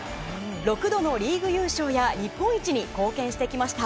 ６度のリーグ優勝や日本一に貢献してきました。